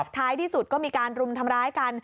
ท้ายที่สุดก็มีการรุมทำร้ายกัน